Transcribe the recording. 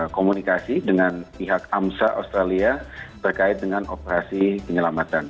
komunikasi dengan pihak amsa australia terkait dengan operasi penyelamatan